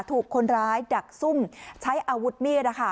ถูกคนร้ายดักซุ่มใช้อาวุธมีด